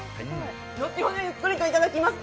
後ほど、ゆっくりといただきます。